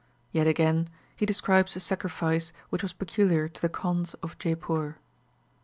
Yet again, he describes a sacrifice which was peculiar to the Kondhs of Jeypore.